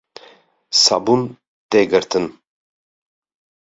Sabûn tê girtin